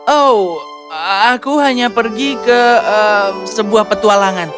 oh aku hanya pergi ke sebuah petualangan